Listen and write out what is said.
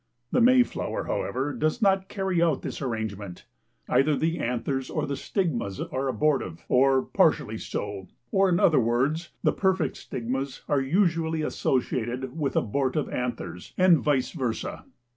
The Mayflower, however, does not carry out this arrangement. Either the anthers or the stigmas are abortive or partially so, or in other words, the perfect stigmas are usually associated with abortive anthers and vice versa.